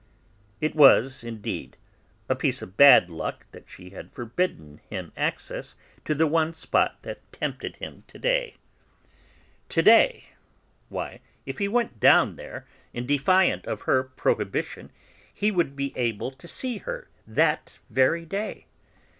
It was, indeed, a piece of bad luck that she had forbidden him access to the one spot that tempted him to day. To day! Why, if he went down there, in defiance of her prohibition, he would be able to see her that very day!